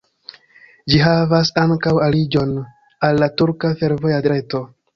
Ĝi havas ankaŭ aliĝon al la turka fervoja reto.